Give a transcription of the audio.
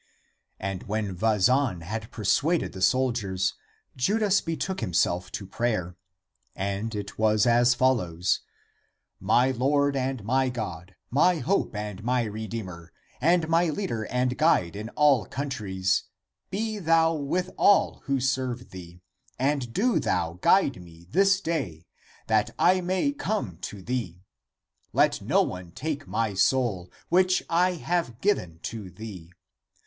And when Vazan had persuaded the soldiers, Judas betook himself to prayer. And it was as follows :" My Lord and my God, my Hope and my Redeemer, and my Leader and 1 Comp. John XIX, 34. 360 THE APOCRYPHAL ACTS Guide in all countries, be thou with all who serve thee, and do thou guide me this day, that I may come to thee ! Let no one take my soul, which I have given to thee!